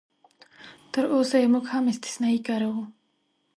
تراوسه یې موږ هم استثنایي کاروو.